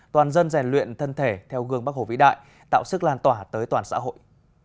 toàn dân rèn luyện thân thể theo gương bắc hồ vĩ đại tạo sức lan tỏa tới toàn xã hội